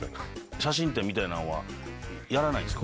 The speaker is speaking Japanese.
写真展みたいなんは、やらないんですか？